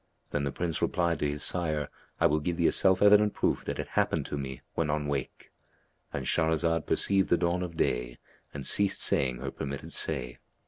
Then the Prince replied to his sire, "I will give thee a self evident proof that it happened to me when on wake."—And Shahrazad perceived the dawn of day and ceased saying her permitted say.